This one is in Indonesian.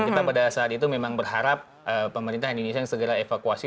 kita pada saat itu memang berharap pemerintah indonesia yang segera evakuasi